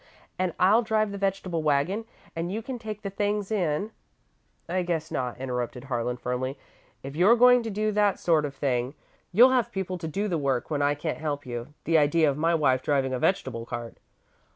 And I'll drive the vegetable waggon and you can take the things in " "I guess not," interrupted Harlan, firmly. "If you're going to do that sort of thing, you'll have people to do the work when I can't help you. The idea of my wife driving a vegetable cart!"